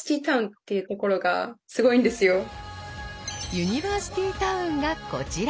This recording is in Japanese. ユニバーシティータウンがこちら。